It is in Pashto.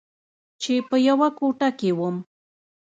چې په يوه کوټه کښې وم.